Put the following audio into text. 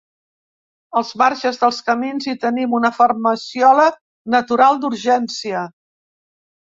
Als marges dels camins hi tenim una farmaciola natural d’urgència.